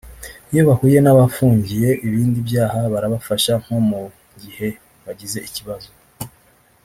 Iyo bahuye n’abafungiye ibindi byaha barabafasha nko mu gihe bagize ikibazo